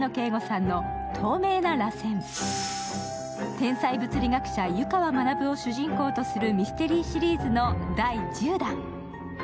天才物理学者・湯川学を主人公とするミステリーシリーズの第１０弾。